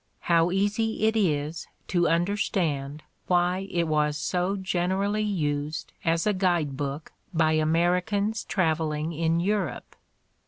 How easy it is to understand why it was so generally used as a guidebook by Americans traveling in Europe